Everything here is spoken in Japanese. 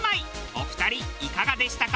お二人いかがでしたか？